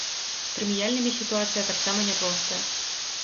З прэміяльнымі сітуацыя таксама няпростая.